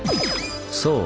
そう！